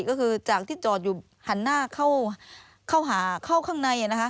ก็คือจากที่จอดอยู่หันหน้าเข้าหาเข้าข้างใน